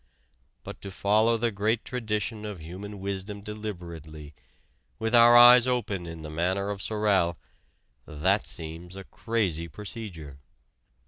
But to follow the great tradition of human wisdom deliberately, with our eyes open in the manner of Sorel, that seems a crazy procedure.